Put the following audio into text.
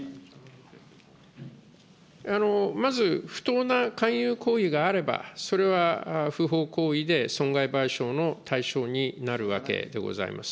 まず、不当な勧誘行為があれば、それは不法行為で損害賠償の対象になるわけでございます。